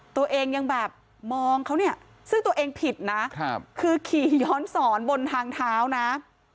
ตัวเองยังแบบมองเขาเนี่ยซึ่งตัวเองผิดนะคือขี่ย้อนสอนบนทางเท้านะ